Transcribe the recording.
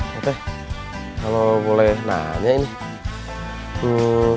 oke kalau boleh nanya ini